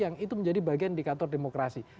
yang itu menjadi bagian indikator demokrasi